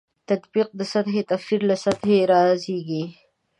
تطبیق سطح تفسیر له سطحې رازېږي.